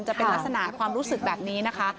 จะเป็นลักษณะความรู้สึกแบบนี้นะคะ